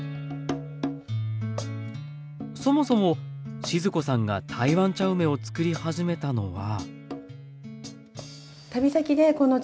そもそも静子さんが台湾茶梅をつくり始めたのは。